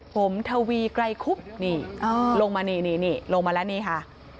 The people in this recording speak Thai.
ผมทวีไกรคุบนี่ลงมานี่นี่ลงมาแล้วนี่ค่ะ